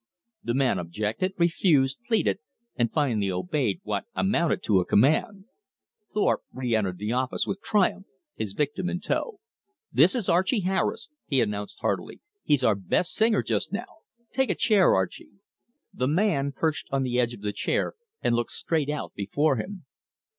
The man objected, refused, pleaded, and finally obeyed what amounted to a command. Thorpe reentered the office with triumph, his victim in tow. "This is Archie Harris," he announced heartily. "He's our best singer just now. Take a chair, Archie." The man perched on the edge of the chair and looked straight out before him.